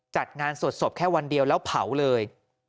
จัดงานสวดศพแค่วันเดียวแล้วเผาเลย